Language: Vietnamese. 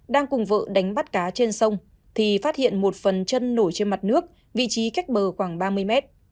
đang cùng vợ đánh bắt cá trên sông thì phát hiện một phần chân nổi trên mặt nước vị trí cách bờ khoảng ba mươi mét